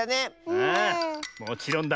ああもちろんだ。